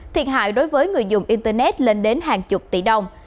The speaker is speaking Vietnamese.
thiệt hại đối với người dùng internet lên đến hàng chục tỷ đồng